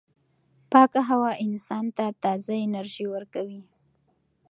پاکه هوا انسان ته تازه انرژي ورکوي.